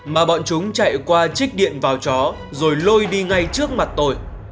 mà bọn chúng chạy qua chích điện vào chó rồi lôi đi ngay trước mặt tôi